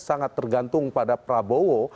sangat tergantung pada prabowo